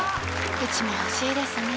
うちも欲しいですね